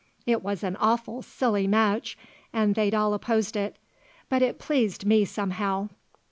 It was an awful silly match, and they'd all opposed it; but it pleased me somehow.